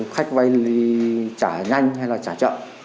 khách vay thì trả nhanh hay là trả chậm